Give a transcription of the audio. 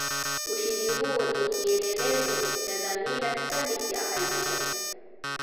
ushindi huo ni kieelezo cha dhamira thabiti ya halmashauri